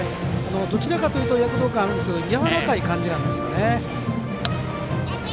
どちらかというと躍動感なんですけどやわらかい感じなんですよね。